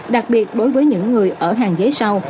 đặc biệt đối với những người ở hàng ghế sau